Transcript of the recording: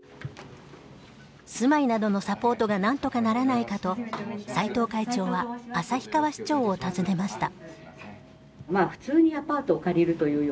住まいなどのサポートがなんとかならないかと斎藤会長は旭川市長を訪ねました。